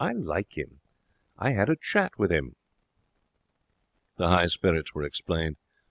I like him. I had a chat with him.' The high spirits were explained.